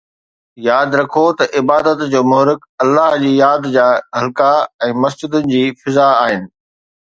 ياد رکو ته عبادت جو محرڪ الله جي ياد جا حلقا ۽ مسجدن جي فضا آهن.